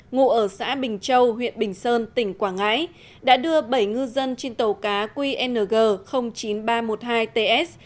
ngụ ở xã bình châu huyện bình sơn tỉnh quảng ngãi đã đưa bảy ngư dân trên tàu cá qng chín nghìn ba trăm một mươi hai ts